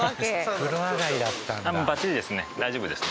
大丈夫ですね。